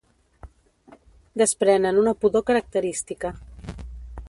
Desprenen una pudor característica.